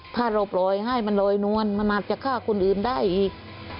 ถ้าเราปล่อยให้มันลอยนวลมันอาจจะฆ่าคนอื่นได้อีก